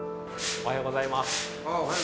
おはようございます。